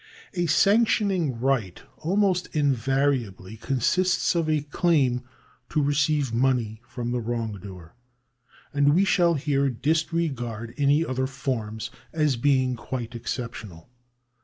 A sanctioning right almost invariably consists of a claim to receive money from the wrongdoer, and we shall here disregard any other forms, as being quite exceptional.